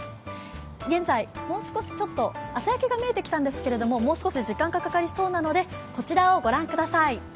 現在もう少し、朝焼けが出てきたんですけど、もう少し時間かかりそうなので、こちらを御覧ください。